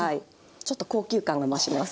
ちょっと高級感が増します。